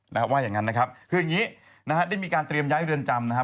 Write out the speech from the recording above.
นะฮะว่าอย่างงั้นนะครับคืออย่างงี้นะฮะได้มีการเตรียมย้ายเรือนจำนะฮะ